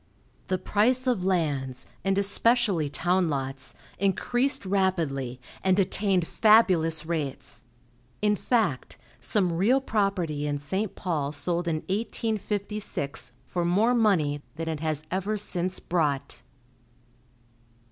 The price of lands, and especially town lots, increased rapidly, and attained fabulous rates; in fact, some real property in St. Paul sold in 1856 for more money than it has ever since brought.